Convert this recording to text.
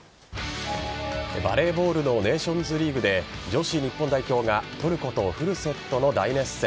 バレーボールのネーションズリーグで女子日本代表がトルコとフルセットの大熱戦。